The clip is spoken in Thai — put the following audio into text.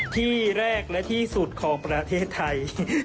ที่แรกและที่สุดของประเทศไทย